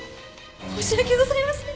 申し訳ございません！